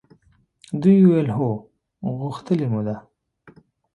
دوی وویل هو! غوښتلې مو ده.